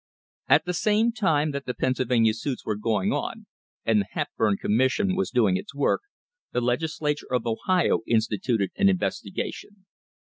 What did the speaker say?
* At the same time that the Pennsylvania suits were going on, and the Hepburn Commission was doing its work, the Legislature of Ohio instituted an investigation.